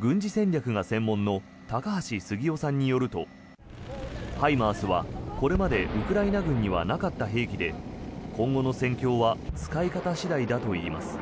軍事戦略が専門の高橋杉雄さんによるとＨＩＭＡＲＳは、これまでウクライナ軍にはなかった兵器で今後の戦況は使い方次第だといいます。